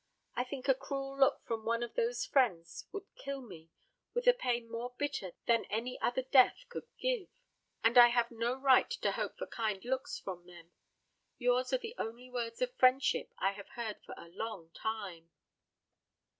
I think a cruel look from one of those friends would kill me with a pain more bitter than any other death could give. And I have no right to hope for kind looks from them. Yours are the only words of friendship I have heard for a long time."